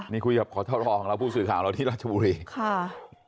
นี่คุยกับขอทรของเราผู้สื่อข่าวเราที่ราชบุรีค่ะ